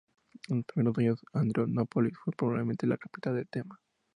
En los primeros años, Adrianópolis fue probablemente la capital del thema.